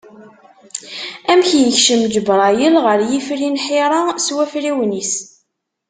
Amek yekcem Ǧebrayel ɣer yifri n Ḥira s wafriwen-is?